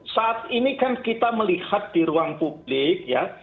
saat ini kan kita melihat di ruang publik ya